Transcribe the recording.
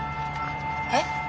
えっ？